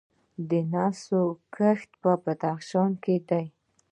د نسکو کښت په بدخشان کې دی.